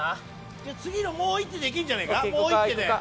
次のもう一手で行けんじゃないか？